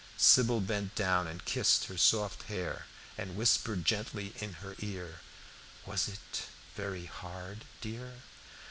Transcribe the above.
Sybil bent down and kissed her soft hair, and whispered gently in her ear, "Was it very hard, dear?"